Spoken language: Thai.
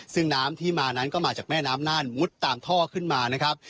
ซึ่งน้ำที่มานั้นก็มาจากแม่น้ำน่านมุดตามท่อขึ้นมานะครับ